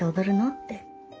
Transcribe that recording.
って。